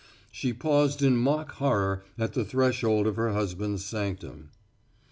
She paused in mock horror at the threshold of her husband's sanctum.